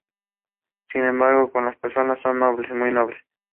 Her father was construction superintendent in the railroad industry.